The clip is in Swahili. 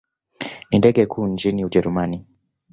Ni ndege kuu nchini Ujerumani.